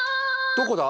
どこだ？